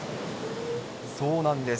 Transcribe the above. そうなんです。